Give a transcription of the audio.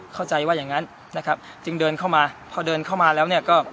เข้าใจว่าอย่างนั้นจึงเดินเข้ามาพอเดินเข้ามาแล้ว